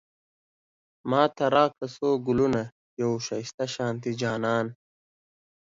ماته راکړه څو ګلونه، يو ښايسته شانتی جانان